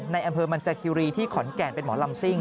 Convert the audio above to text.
ในอำเภอมันจาคิรีที่ขอนแก่นเป็นหมอลำซิ่ง